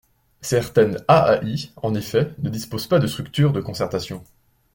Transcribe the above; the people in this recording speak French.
Certaines AAI, en effet, ne disposent pas de structures de concertation.